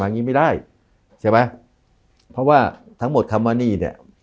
งี้ไม่ได้ใช่ไหมเพราะว่าทั้งหมดคำว่านี่เนี่ย